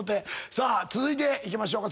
さあ続いていきましょうか。